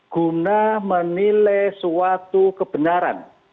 guna menilai suatu kebenaran